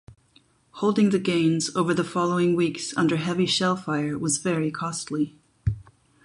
Holding the gains over the following weeks under heavy shellfire was very costly.